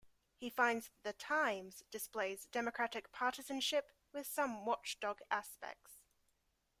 He finds that the "Times" displays Democratic partisanship, with some watchdog aspects.